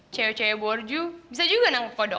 cowok cowok borju bisa juga nangkut kodok